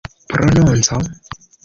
prononco